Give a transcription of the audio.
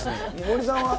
森さんは？